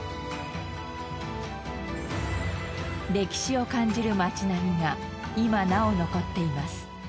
歴史を感じる町並みが今なお残っています。